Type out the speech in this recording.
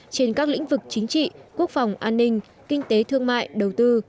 trên các lĩnh vực chính trị quốc phòng an ninh kinh tế thương mại đầu tư